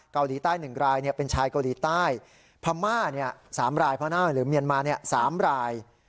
เกาหลีใต้หนึ่งรายเนี่ยเป็นชายเกาหลีใต้พม่าเนี่ยสามรายพระนาวน์หรือเมียนมาเนี่ยสามราย